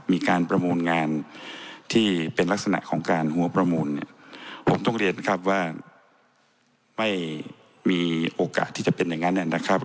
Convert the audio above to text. มีการประมูลงานที่เป็นลักษณะของการหัวประมูลเนี่ยผมต้องเรียนครับว่าไม่มีโอกาสที่จะเป็นอย่างนั้นนะครับ